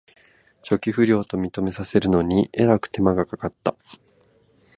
初期不良と認めさせるのにえらく手間がかかった